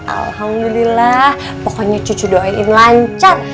alhamdulillah pokoknya cucu doain lancar